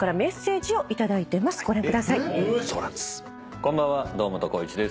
こんばんは堂本光一です。